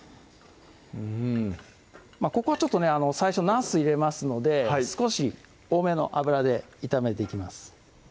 うんここはちょっとね最初なす入れますので少し多めの油で炒めていきます